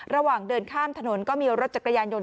ระหว่างเดินข้ามถนนก็มีรถจักรยานยนต